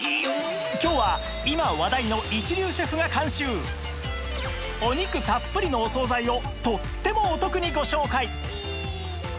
今日は今話題のお肉たっぷりのお惣菜をとってもお得にご紹介